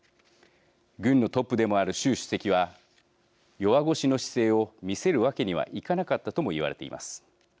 軍のトップでもある習主席は弱腰の姿勢を見せるわけにはいかなかったとも言われています。